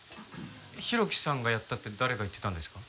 浩喜さんがやったって誰が言ってたんですか？